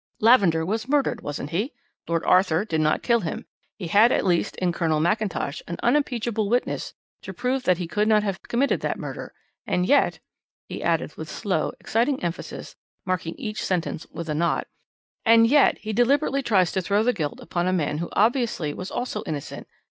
"Lavender was murdered, wasn't he? Lord Arthur did not kill him. He had, at least, in Colonel McIntosh an unimpeachable witness to prove that he could not have committed that murder and yet," he added with slow, excited emphasis, marking each sentence with a knot, "and yet he deliberately tries to throw the guilt upon a man who obviously was also innocent.